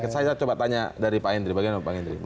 saya coba tanya dari pak hendry bagaimana pak hendri